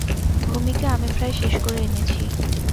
ভূমিকা আমি প্রায় শেষ করে এনেছি।